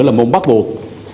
là môn bắt buộc